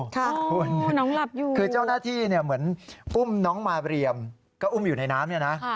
ค่ะคุณคือเจ้าหน้าที่เหมือนอุ้มน้องหมาเบรียมอุ้มอยู่ในน้ำนี่นะ